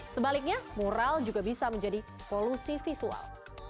sebaliknya mural juga bisa menjadi polusi visual